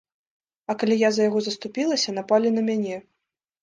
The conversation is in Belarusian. А калі я за яго заступілася, напалі на мяне.